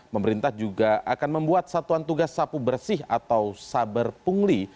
pemerintah juga akan membuat satuan tugas sapu bersih atau saber pungli